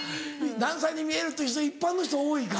「何歳に見える？」って言う人一般の人多いか。